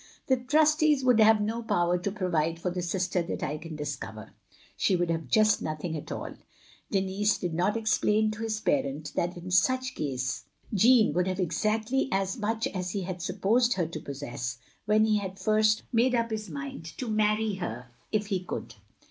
"The trustees would have no power to provide for the sister that I can discover. She would have just nothing at all." Denis did not explain to his parent that in such case Jeaime would have exactly as much as he had supposed her to possess when he had first made up his mind to marry her if he could.